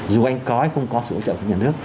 dù anh có hay không có sự hỗ trợ của nhân đức